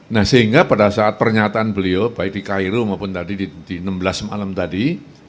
nah sehingga pada saat pernyataan beliau baik di cairo maupun tadi di enam belas malam tadi